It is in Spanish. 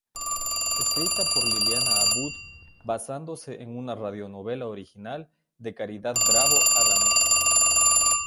Escrita por Liliana Abud, basándose en una radionovela original de Caridad Bravo Adams.